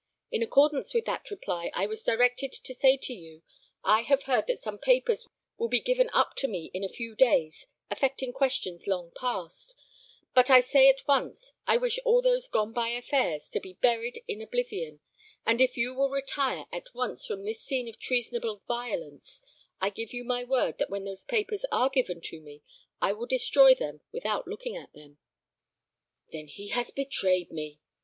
In accordance with that reply I was directed to say to you, I have heard that some papers will be given up to me in a few days affecting questions long past; but I say at once, I wish all those gone by affairs to be buried in oblivion, and if you will retire at once from this scene of treasonable violence, I give you my word that when those papers are given to me, I will destroy them without looking at them." "Then he has betrayed me!"